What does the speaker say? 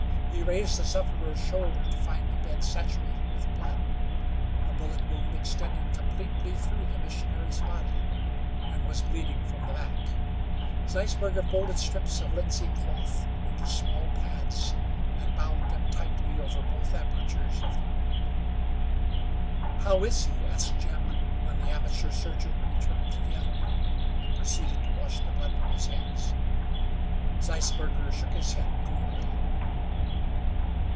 He raised the sufferer's shoulder to find the bed saturated with blood. The bullet wound extended completely through the missionary's body, and was bleeding from the back. Zeisberger folded strips of linsey cloth into small pads and bound them tightly over both apertures of the wound. "How is he?" asked Jim, when the amateur surgeon returned to the other room, and proceeded to wash the blood from his hands. Zeisberger shook his head gloomily.